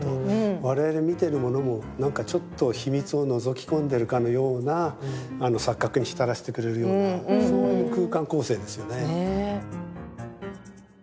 我々見ているものもなんかちょっと秘密をのぞき込んでるかのような錯覚に浸らしてくれるようなそういう空間構成ですよね。